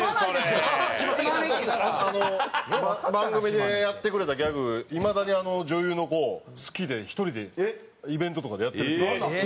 番組でやってくれたギャグいまだにあの女優の子好きで１人でイベントとかでやってる人いますよ。